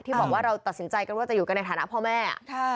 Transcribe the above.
บอกว่าเราตัดสินใจกันว่าจะอยู่กันในฐานะพ่อแม่